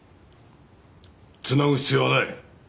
つなぐ必要はない。